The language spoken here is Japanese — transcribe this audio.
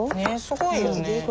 すごいよね。